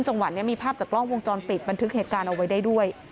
จังหวัดนี้มีภาพจากกล้องวงจรปิดบันทึกเหตุการณ์เอาไว้ได้ด้วย